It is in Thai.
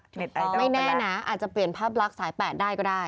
เน็ตไอดอลไปแล้วถูกพอไม่แน่นะอาจจะเปลี่ยนภาพลักษณ์สายแปดได้ก็ได้